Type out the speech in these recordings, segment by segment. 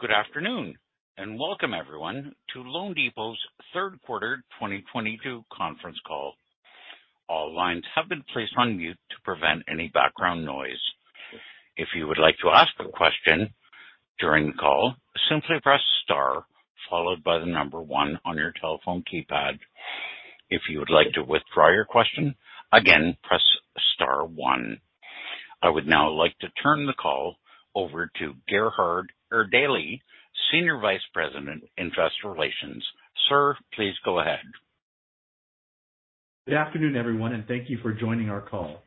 Good afternoon, and welcome everyone to loanDepot's third quarter 2022 conference call. All lines have been placed on mute to prevent any background noise. If you would like to ask a question during the call, simply press star followed by the number one on your telephone keypad. If you would like to withdraw your question, again, press star one. I would now like to turn the call over to Gerhard Erdelji, Senior Vice President, Investor Relations. Sir, please go ahead. Good afternoon, everyone, and thank you for joining our call.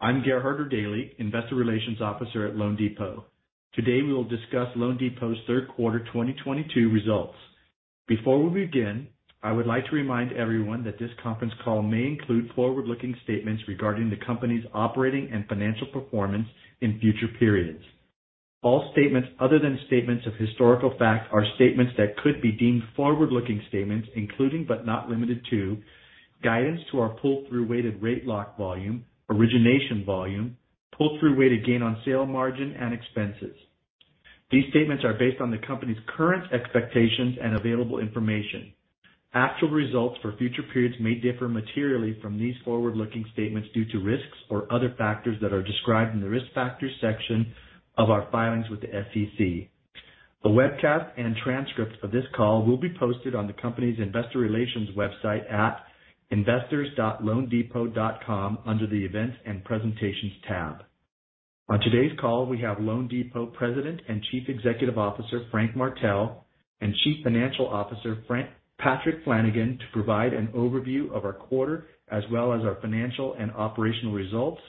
I'm Gerhard Erdelji, Investor Relations Officer at loanDepot. Today, we will discuss loanDepot's third quarter 2022 results. Before we begin, I would like to remind everyone that this conference call may include forward-looking statements regarding the company's operating and financial performance in future periods. All statements other than statements of historical fact are statements that could be deemed forward-looking statements, including but not limited to, guidance to our pull-through weighted rate lock volume, origination volume, pull-through weighted gain on sale margin, and expenses. These statements are based on the company's current expectations and available information. Actual results for future periods may differ materially from these forward-looking statements due to risks or other factors that are described in the Risk Factors section of our filings with the SEC. A webcast and transcript of this call will be posted on the company's investor relations website at investors.loandepot.com under the Events and Presentations tab. On today's call, we have loanDepot President and Chief Executive Officer, Frank Martell, and Chief Financial Officer, Patrick Flanagan, to provide an overview of our quarter as well as our financial and operational results,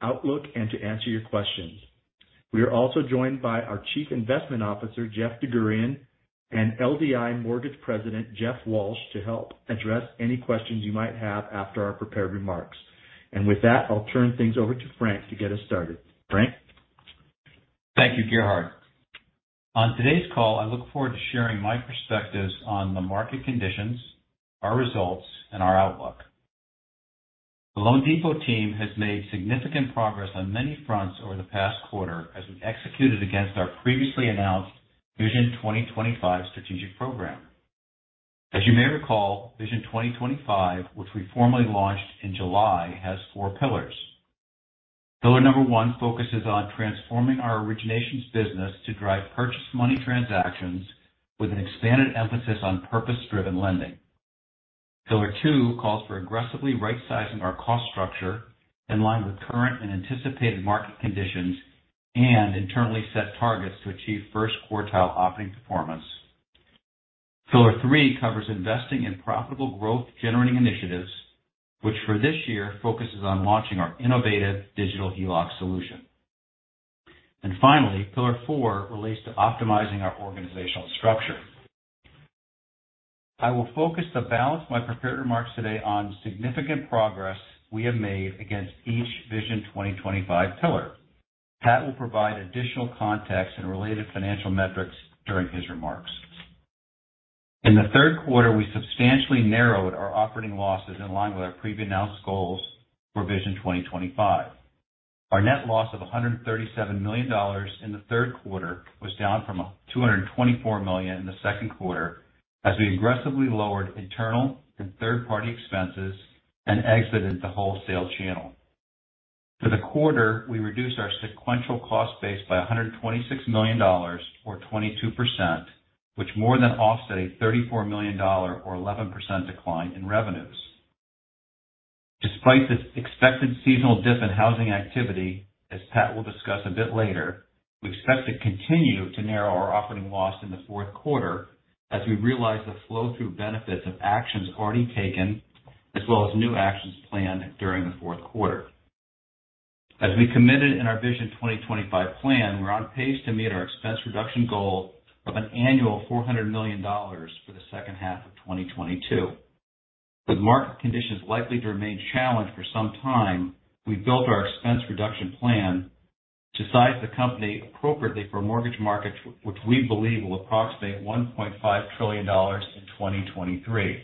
outlook, and to answer your questions. We are also joined by our Chief Investment Officer, Jeff DerGurahian, and LDI Mortgage President, Jeff Walsh, to help address any questions you might have after our prepared remarks. With that, I'll turn things over to Frank to get us started. Frank? Thank you, Gerhard. On today's call, I look forward to sharing my perspectives on the market conditions, our results, and our outlook. The loanDepot team has made significant progress on many fronts over the past quarter as we executed against our previously announced Vision 2025 strategic program. As you may recall, Vision 2025, which we formally launched in July, has four pillars. Pillar number one focuses on transforming our originations business to drive purchase money transactions with an expanded emphasis on purpose-driven lending. Pillar two calls for aggressively rightsizing our cost structure in line with current and anticipated market conditions and internally set targets to achieve first quartile operating performance. Pillar three covers investing in profitable growth-generating initiatives, which for this year focuses on launching our innovative digital HELOC solution. Finally, pillar four relates to optimizing our organizational structure. I will focus the balance of my prepared remarks today on significant progress we have made against each Vision 2025 pillar. Pat will provide additional context and related financial metrics during his remarks. In the third quarter, we substantially narrowed our operating losses in line with our pre-announced goals for Vision 2025. Our net loss of $137 million in the third quarter was down from $224 million in the second quarter as we aggressively lowered internal and third-party expenses and exited the wholesale channel. For the quarter, we reduced our sequential cost base by $126 million or 22%, which more than offset a $34 million or 11% decline in revenues. Despite the expected seasonal dip in housing activity, as Pat will discuss a bit later, we expect to continue to narrow our operating loss in the fourth quarter as we realize the flow-through benefits of actions already taken, as well as new actions planned during the fourth quarter. As we committed in our Vision 2025 plan, we're on pace to meet our expense reduction goal of an annual $400 million for the second half of 2022. With market conditions likely to remain challenged for some time, we've built our expense reduction plan to size the company appropriately for a mortgage market which we believe will approximate $1.5 trillion in 2023.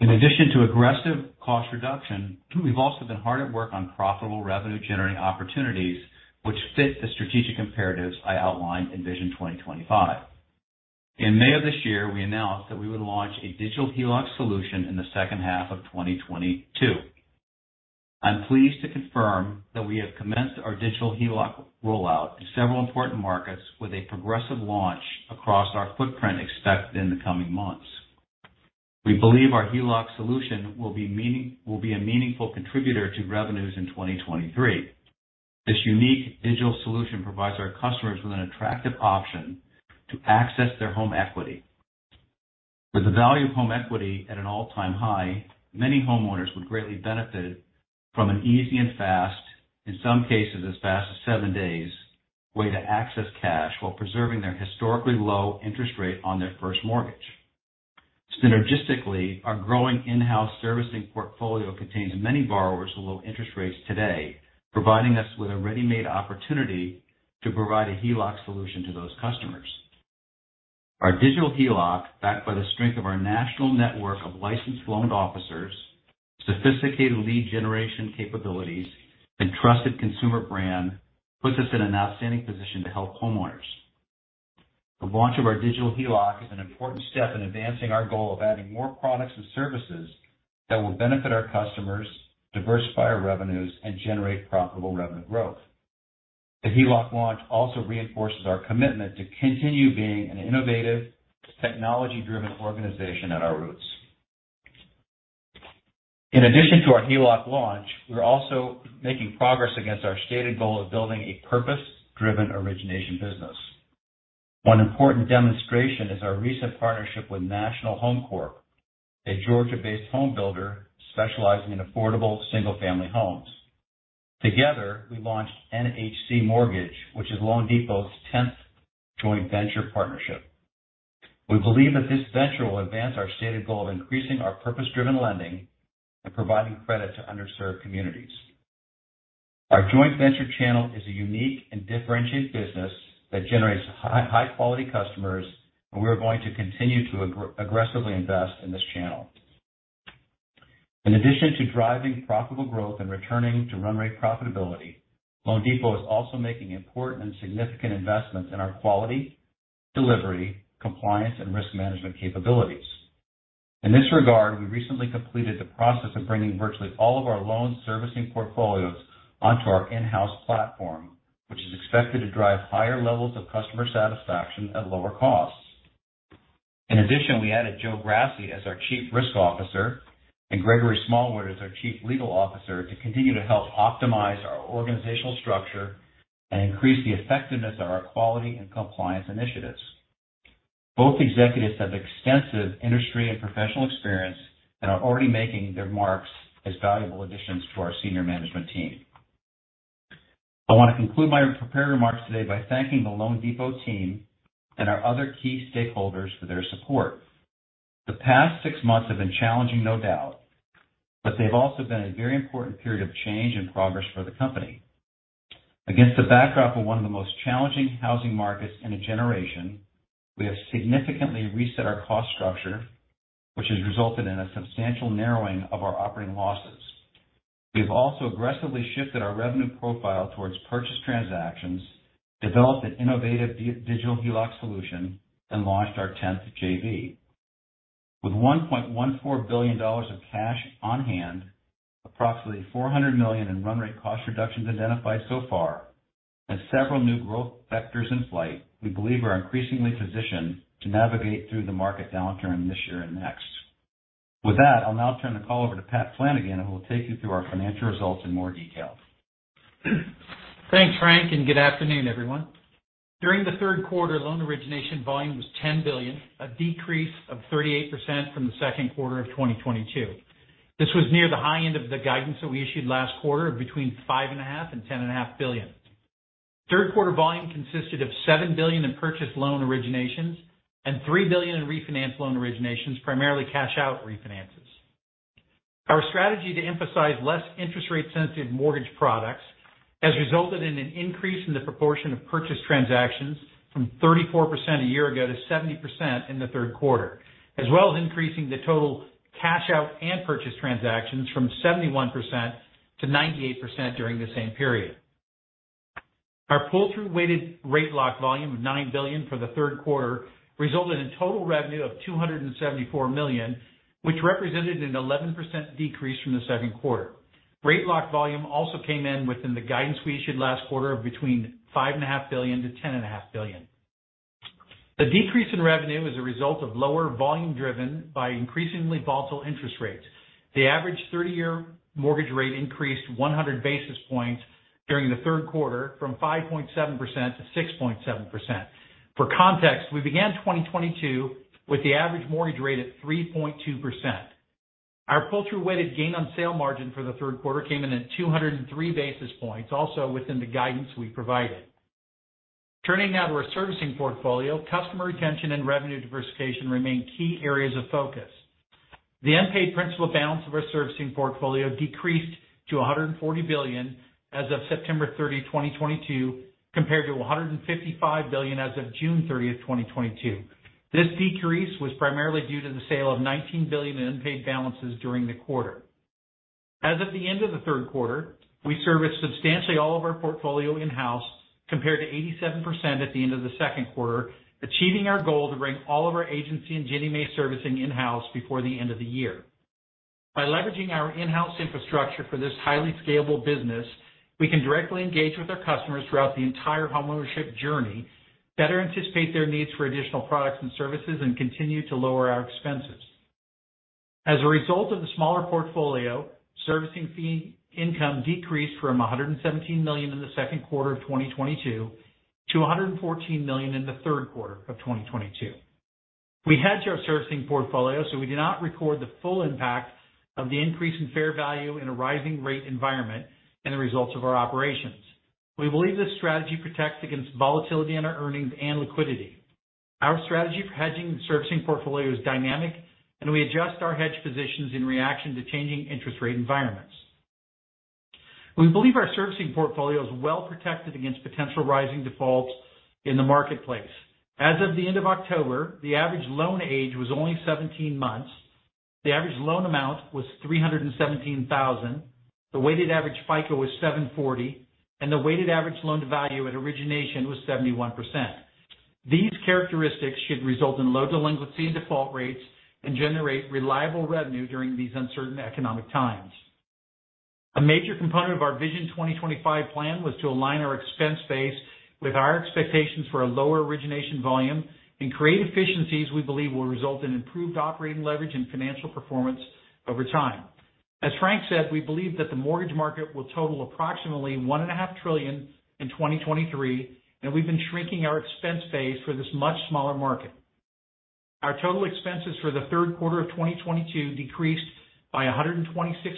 In addition to aggressive cost reduction, we've also been hard at work on profitable revenue-generating opportunities which fit the strategic imperatives I outlined in Vision 2025. In May of this year, we announced that we would launch a digital HELOC solution in the second half of 2022. I'm pleased to confirm that we have commenced our digital HELOC rollout in several important markets with a progressive launch across our footprint expected in the coming months. We believe our HELOC solution will be a meaningful contributor to revenues in 2023. This unique digital solution provides our customers with an attractive option to access their home equity. With the value of home equity at an all-time high, many homeowners would greatly benefit from an easy and fast, in some cases as fast as seven days, way to access cash while preserving their historically low interest rate on their first mortgage. Synergistically, our growing in-house servicing portfolio contains many borrowers with low interest rates today, providing us with a ready-made opportunity to provide a HELOC solution to those customers. Our digital HELOC, backed by the strength of our national network of licensed loan officers, sophisticated lead generation capabilities, and trusted consumer brand, puts us in an outstanding position to help homeowners. The launch of our digital HELOC is an important step in advancing our goal of adding more products and services that will benefit our customers, diversify our revenues, and generate profitable revenue growth. The HELOC launch also reinforces our commitment to continue being an innovative, technology-driven organization at our roots. In addition to our HELOC launch, we're also making progress against our stated goal of building a purpose-driven origination business. One important demonstration is our recent partnership with National HomeCorp, a Georgia-based home builder specializing in affordable single-family homes. Together, we launched NHC Mortgage, which is loanDepot's tenth joint venture partnership. We believe that this venture will advance our stated goal of increasing our purpose-driven lending and providing credit to underserved communities. Our joint venture channel is a unique and differentiated business that generates high quality customers, and we are going to continue to aggressively invest in this channel. In addition to driving profitable growth and returning to run rate profitability, loanDepot is also making important and significant investments in our quality, delivery, compliance, and risk management capabilities. In this regard, we recently completed the process of bringing virtually all of our loan servicing portfolios onto our in-house platform, which is expected to drive higher levels of customer satisfaction at lower costs. In addition, we added Joe Grassi as our Chief Risk Officer and Gregory Smallwood as our Chief Legal Officer to continue to help optimize our organizational structure and increase the effectiveness of our quality and compliance initiatives. Both executives have extensive industry and professional experience and are already making their marks as valuable additions to our senior management team. I want to conclude my prepared remarks today by thanking the loanDepot team and our other key stakeholders for their support. The past six months have been challenging, no doubt, but they've also been a very important period of change and progress for the company. Against the backdrop of one of the most challenging housing markets in a generation, we have significantly reset our cost structure, which has resulted in a substantial narrowing of our operating losses. We've also aggressively shifted our revenue profile towards purchase transactions, developed an innovative digital HELOC solution, and launched our tenth JV. With $1.14 billion of cash on hand, approximately $400 million in run rate cost reductions identified so far, and several new growth vectors in flight, we believe are increasingly positioned to navigate through the market downturn this year and next. With that, I'll now turn the call over to Pat Flanagan, who will take you through our financial results in more detail. Thanks, Frank, and good afternoon, everyone. During the third quarter, loan origination volume was $10 billion, a decrease of 38% from the second quarter of 2022. This was near the high end of the guidance that we issued last quarter of between $5.5 billion and $10.5 billion. Third quarter volume consisted of $7 billion in purchase loan originations and $3 billion in refinance loan originations, primarily cash-out refinances. Our strategy to emphasize less interest rate sensitive mortgage products has resulted in an increase in the proportion of purchase transactions from 34% a year ago to 70% in the third quarter, as well as increasing the total cash-out and purchase transactions from 71% to 98% during the same period. Our pull-through weighted rate lock volume of $9 billion for the third quarter resulted in total revenue of $274 million, which represented an 11% decrease from the second quarter. Rate lock volume also came in within the guidance we issued last quarter of between $5.5 billion-$10.5 billion. The decrease in revenue is a result of lower volume driven by increasingly volatile interest rates. The average 30-year mortgage rate increased 100 basis points during the third quarter from 5.7% to 6.7%. For context, we began 2022 with the average mortgage rate at 3.2%. Our pull-through weighted gain on sale margin for the third quarter came in at 203 basis points, also within the guidance we provided. Turning now to our servicing portfolio. Customer retention and revenue diversification remain key areas of focus. The unpaid principal balance of our servicing portfolio decreased to $140 billion as of September 30, 2022, compared to $155 billion as of June 30, 2022. This decrease was primarily due to the sale of $19 billion in unpaid balances during the quarter. As of the end of the third quarter, we serviced substantially all of our portfolio in-house compared to 87% at the end of the second quarter, achieving our goal to bring all of our agency and Ginnie Mae servicing in-house before the end of the year. By leveraging our in-house infrastructure for this highly scalable business, we can directly engage with our customers throughout the entire homeownership journey, better anticipate their needs for additional products and services, and continue to lower our expenses. As a result of the smaller portfolio, servicing fee income decreased from $117 million in the second quarter of 2022 to $114 million in the third quarter of 2022. We hedged our servicing portfolio, so we do not record the full impact of the increase in fair value in a rising rate environment and the results of our operations. We believe this strategy protects against volatility in our earnings and liquidity. Our strategy for hedging the servicing portfolio is dynamic, and we adjust our hedge positions in reaction to changing interest rate environments. We believe our servicing portfolio is well protected against potential rising defaults in the marketplace. As of the end of October, the average loan age was only 17 months. The average loan amount was $317,000. The weighted average FICO was 740, and the weighted average loan-to-value at origination was 71%. These characteristics should result in low delinquency and default rates and generate reliable revenue during these uncertain economic times. A major component of our Vision 2025 plan was to align our expense base with our expectations for a lower origination volume and create efficiencies we believe will result in improved operating leverage and financial performance over time. As Frank said, we believe that the mortgage market will total approximately $1.5 trillion in 2023, and we've been shrinking our expense base for this much smaller market. Our total expenses for the third quarter of 2022 decreased by $126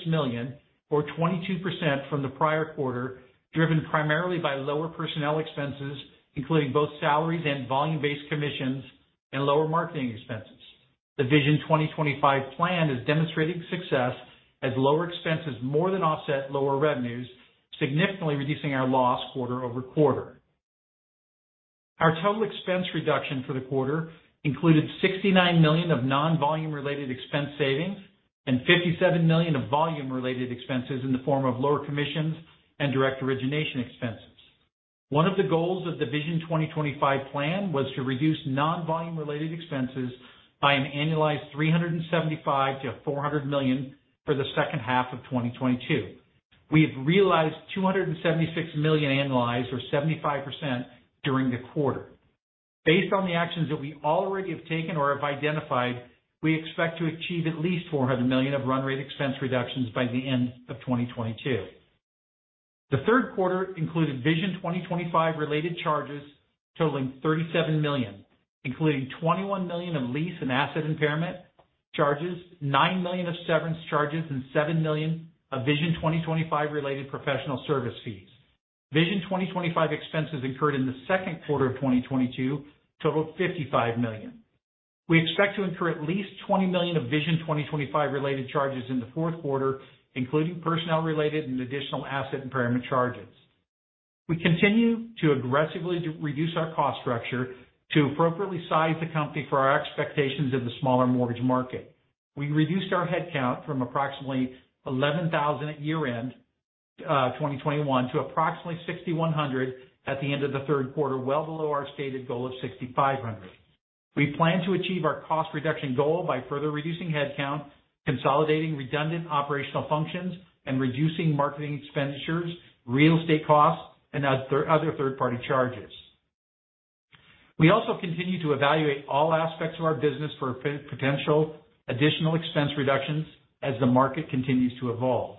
million, or 22% from the prior quarter, driven primarily by lower personnel expenses, including both salaries and volume-based commissions and lower marketing expenses. The Vision 2025 plan is demonstrating success as lower expenses more than offset lower revenues, significantly reducing our loss quarter over quarter. Our total expense reduction for the quarter included $69 million of non-volume related expense savings and $57 million of volume related expenses in the form of lower commissions and direct origination expenses. One of the goals of the Vision 2025 plan was to reduce non-volume related expenses by an annualized $375 million-$400 million for the second half of 2022. We have realized $276 million annualized or 75% during the quarter. Based on the actions that we already have taken or have identified, we expect to achieve at least $400 million of run rate expense reductions by the end of 2022. The third quarter included Vision 2025 related charges totaling $37 million, including $21 million in lease and asset impairment charges, $9 million of severance charges, and $7 million of Vision 2025 related professional service fees. Vision 2025 expenses incurred in the second quarter of 2022 totaled $55 million. We expect to incur at least $20 million of Vision 2025 related charges in the fourth quarter, including personnel related and additional asset impairment charges. We continue to aggressively reduce our cost structure to appropriately size the company for our expectations of the smaller mortgage market. We reduced our headcount from approximately 11,000 at year-end 2021 to approximately 6,100 at the end of the third quarter, well below our stated goal of 6,500. We plan to achieve our cost reduction goal by further reducing headcount, consolidating redundant operational functions, and reducing marketing expenditures, real estate costs, and other third-party charges. We also continue to evaluate all aspects of our business for potential additional expense reductions as the market continues to evolve.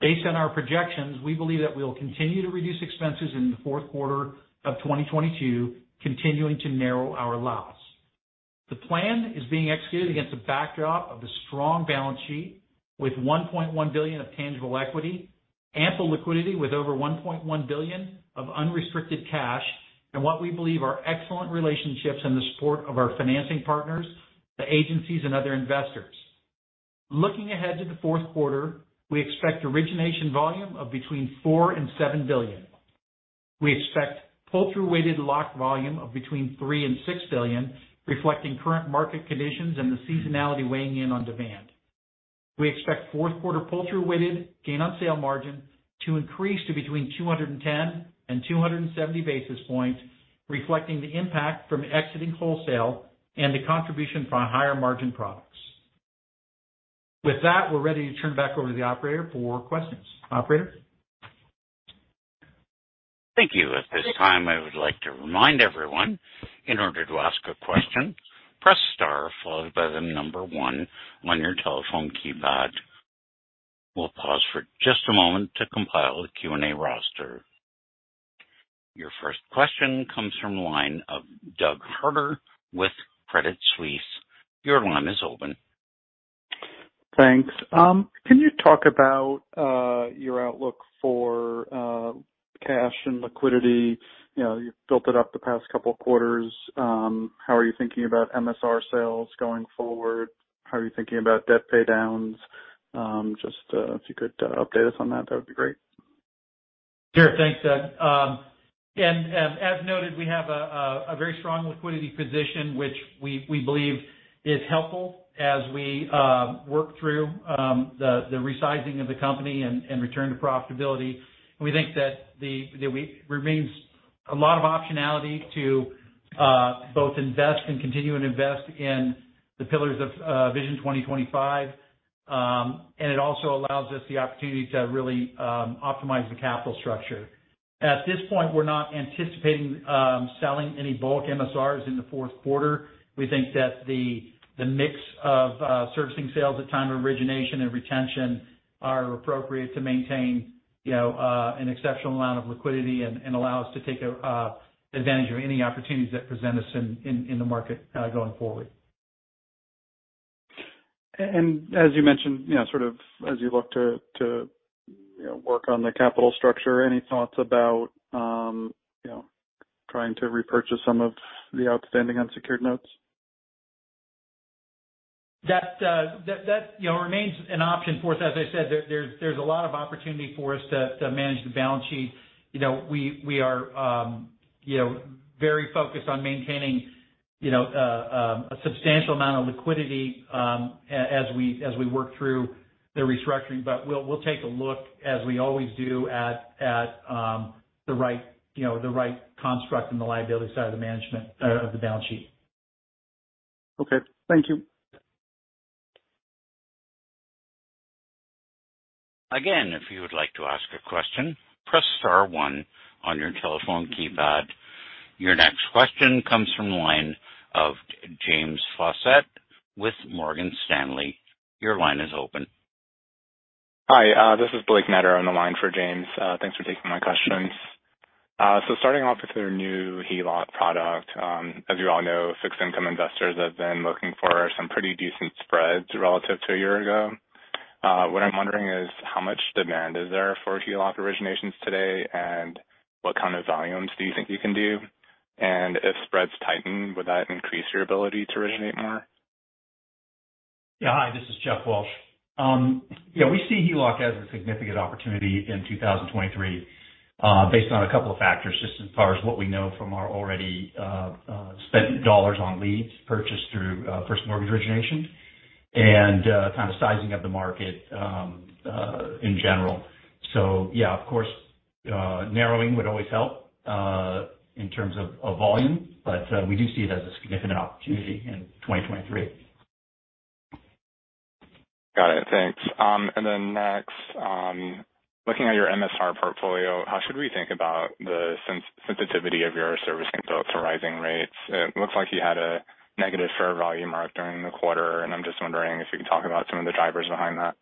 Based on our projections, we believe that we will continue to reduce expenses in the fourth quarter of 2022, continuing to narrow our loss. The plan is being executed against the backdrop of the strong balance sheet with $1.1 billion of tangible equity, ample liquidity with over $1.1 billion of unrestricted cash, and what we believe are excellent relationships and the support of our financing partners, the agencies and other investors. Looking ahead to the fourth quarter, we expect origination volume of between $4 billion and $7 billion. We expect pull-through weighted lock volume of between $3 billion and $6 billion, reflecting current market conditions and the seasonality weighing in on demand. We expect fourth quarter pull-through weighted gain on sale margin to increase to between 210 and 270 basis points, reflecting the impact from exiting wholesale and the contribution from higher margin products. With that, we're ready to turn back over to the operator for questions. Operator? Thank you. At this time, I would like to remind everyone, in order to ask a question, press star followed by the number one on your telephone keypad. We'll pause for just a moment to compile a Q&A roster. Your first question comes from the line of Doug Harter with Credit Suisse. Your line is open. Thanks. Can you talk about your outlook for cash and liquidity? You know, you've built it up the past couple of quarters. How are you thinking about MSR sales going forward? How are you thinking about debt paydowns? Just, if you could update us on that would be great. Sure. Thanks, Doug. As noted, we have a very strong liquidity position which we believe is helpful as we work through the resizing of the company and return to profitability. We think that remains a lot of optionality to both invest and continue to invest in the pillars of Vision 2025. It also allows us the opportunity to really optimize the capital structure. At this point, we're not anticipating selling any bulk MSRs in the fourth quarter. We think that the mix of servicing sales at time of origination and retention are appropriate to maintain, you know, an exceptional amount of liquidity and allow us to take advantage of any opportunities that present us in the market going forward. As you mentioned, you know, sort of as you look to you know, work on the capital structure, any thoughts about, you know, trying to repurchase some of the outstanding unsecured notes? That, you know, remains an option for us. As I said, there's a lot of opportunity for us to manage the balance sheet. You know, we are, you know, very focused on maintaining, you know, a substantial amount of liquidity, as we work through the restructuring. We'll take a look, as we always do, at the right, you know, the right construct on the liability side of the balance sheet. Okay. Thank you. Again, if you would like to ask a question, press star one on your telephone keypad. Your next question comes from the line of James Faucette with Morgan Stanley. Your line is open. Hi, this is Blake Meder on the line for James. Thanks for taking my questions. Starting off with your new HELOC product. As you all know, fixed income investors have been looking for some pretty decent spreads relative to a year ago. What I'm wondering is, how much demand is there for HELOC originations today, and what kind of volumes do you think you can do? If spreads tighten, would that increase your ability to originate more? Hi, this is Jeff Walsh. We see HELOC as a significant opportunity in 2023, based on a couple of factors, just as far as what we know from our ad spend on leads purchased through first mortgage origination and kind of sizing of the market in general. Yeah, of course, narrowing would always help in terms of volume, but we do see it as a significant opportunity in 2023. Got it. Thanks. Next, looking at your MSR portfolio, how should we think about the sensitivity of your servicing book to rising rates? It looks like you had a negative fair value mark during the quarter, and I'm just wondering if you can talk about some of the drivers behind that.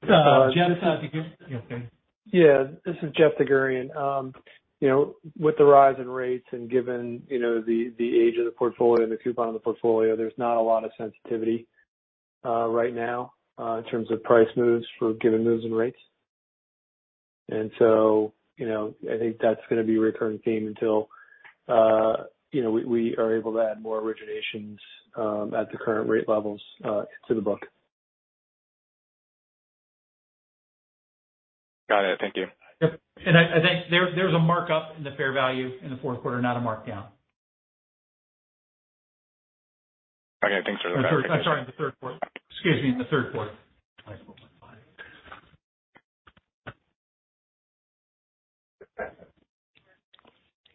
Jeff DerGurahian. You're okay. Yeah. This is Jeff DerGurahian. You know, with the rise in rates and given, you know, the age of the portfolio and the coupon on the portfolio, there's not a lot of sensitivity right now in terms of price moves for given moves in rates. You know, I think that's gonna be a recurring theme until you know, we are able to add more originations at the current rate levels into the book. Got it. Thank you. Yep. I think there's a markup in the fair value in the fourth quarter, not a markdown. Okay. Thanks for the clarification. I'm sorry, in the third quarter. Excuse me, in the third quarter. I spoke too far.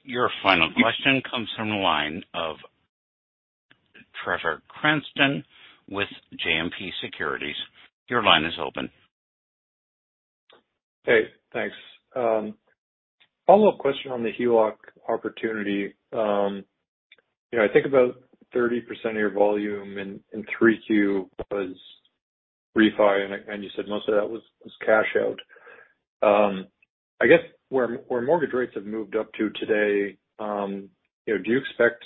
Your final question comes from the line of Trevor Cranston with JMP Securities. Your line is open. Hey, thanks. Follow-up question on the HELOC opportunity. You know, I think about 30% of your volume in 3Q was refi, and you said most of that was cash out. I guess where mortgage rates have moved up to today, you know, do you expect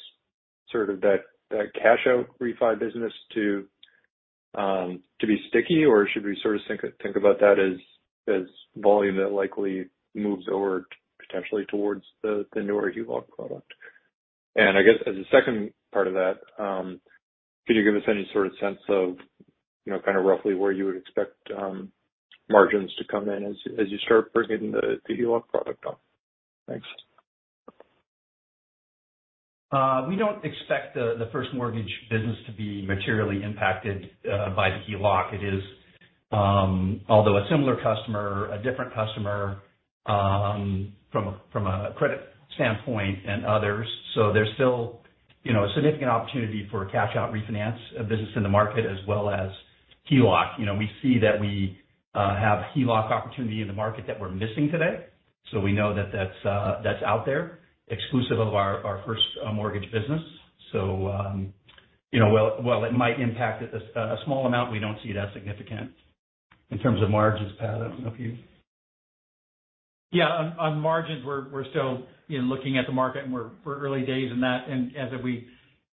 sort of that cash out refi business to be sticky, or should we sort of think about that as volume that likely moves over potentially towards the newer HELOC product? I guess as a second part of that, can you give us any sort of sense of, you know, kind of roughly where you would expect margins to come in as you start bringing the HELOC product on? Thanks. We don't expect the first mortgage business to be materially impacted by the HELOC. It is, although a similar customer, a different customer from a credit standpoint and others. There's still, you know, a significant opportunity for a cash out refinance business in the market as well as HELOC. You know, we see that we have HELOC opportunity in the market that we're missing today. We know that that's out there exclusive of our first mortgage business. You know, while it might impact a small amount, we don't see it as significant. In terms of margins, Pat, I don't know if you... Yeah. On margins, we're still, you know, looking at the market and we're early days in that. We,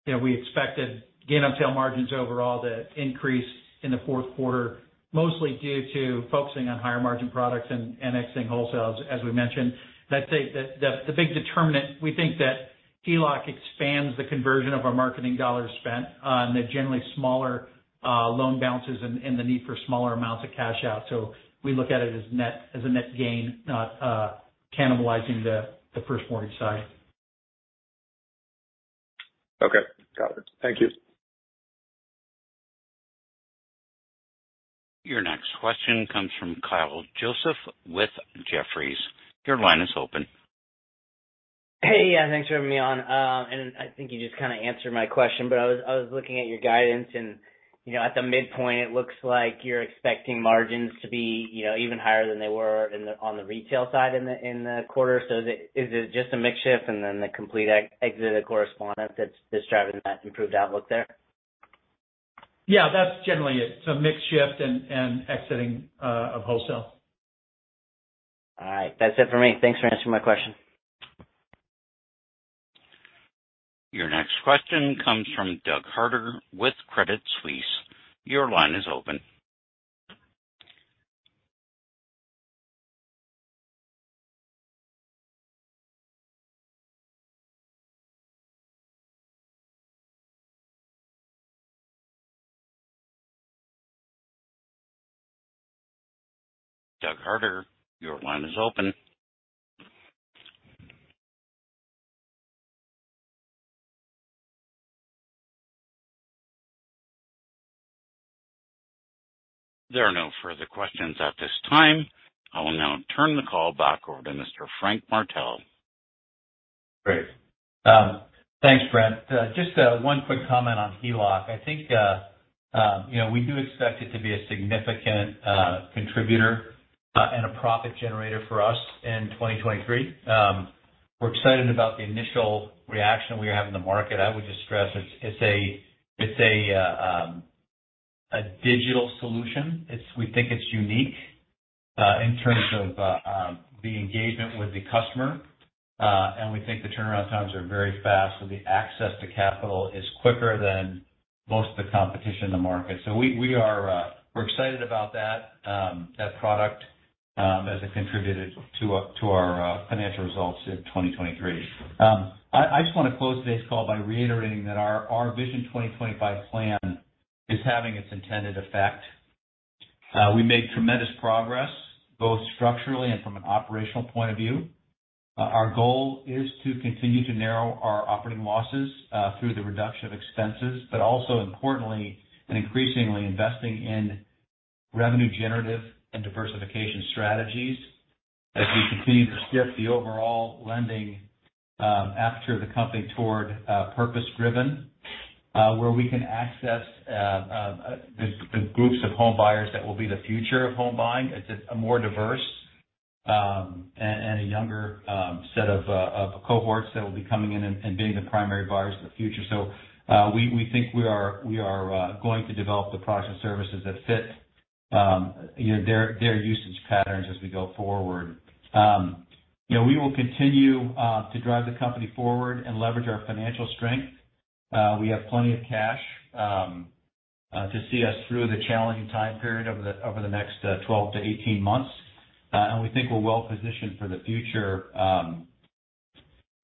you know, we expected gain on sale margins overall to increase in the fourth quarter, mostly due to focusing on higher margin products and exiting wholesale as we mentioned. I'd say the big determinant, we think that HELOC expands the conversion of our marketing dollars spent on the generally smaller loan balances and the need for smaller amounts of cash out. We look at it as net, as a net gain, not cannibalizing the first mortgage side. Okay. Got it. Thank you. Your next question comes from Kyle Joseph with Jefferies. Your line is open. Hey. Yeah, thanks for having me on. I think you just kind of answered my question, but I was looking at your guidance and, you know, at the midpoint it looks like you're expecting margins to be, you know, even higher than they were in the—on the retail side in the quarter. Is it just a mix shift and then the complete exit of correspondent that's driving that improved outlook there? Yeah, that's generally it. It's a mix shift and exiting of wholesale. All right. That's it for me. Thanks for answering my question. Your next question comes from Doug Harter with Credit Suisse. Your line is open. Doug Harter, your line is open. There are no further questions at this time. I will now turn the call back over to Mr. Frank Martell. Great. Thanks, Brent. Just one quick comment on HELOC. I think, you know, we do expect it to be a significant contributor and a profit generator for us in 2023. We're excited about the initial reaction we have in the market. I would just stress it's a digital solution. We think it's unique in terms of the engagement with the customer. We think the turnaround times are very fast. The access to capital is quicker than most of the competition in the market. We're excited about that product as it contributed to our financial results in 2023. I just wanna close today's call by reiterating that our Vision 2025 plan is having its intended effect. We made tremendous progress both structurally and from an operational point of view. Our goal is to continue to narrow our operating losses through the reduction of expenses, but also importantly and increasingly investing in revenue generative and diversification strategies as we continue to shift the overall lending of the company toward purpose-driven, where we can access the groups of home buyers that will be the future of home buying. It's a more diverse and a younger set of cohorts that will be coming in and being the primary buyers of the future. We think we are going to develop the products and services that fit, you know, their usage patterns as we go forward. You know, we will continue to drive the company forward and leverage our financial strength. We have plenty of cash to see us through the challenging time period over the next 12-18 months. We think we're well positioned for the future. I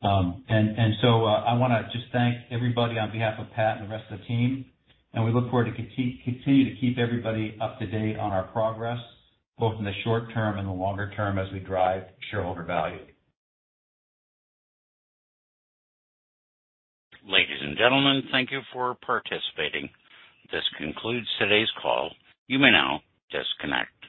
wanna just thank everybody on behalf of Pat and the rest of the team. We look forward to continue to keep everybody up to date on our progress, both in the short term and the longer term, as we drive shareholder value. Ladies and gentlemen, thank you for participating. This concludes today's call. You may now disconnect.